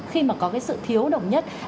khi mà có sự thiếu đồng nhất